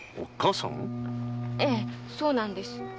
ええそうなんです。